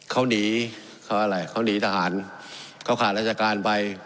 เขาหนีเขาอะไรเขาหนีทหารเขาขาดราชการไป